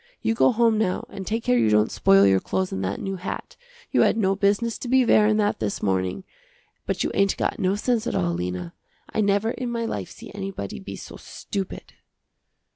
You go home now and take care you don't spoil your clothes and that new hat, you had no business to be wearin' that this morning, but you ain't got no sense at all, Lena. I never in my life see anybody be so stupid."